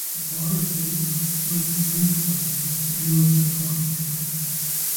Popara is later killed from food poisoning as the heroes are talking to him.